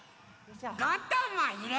ゴットンもいれて！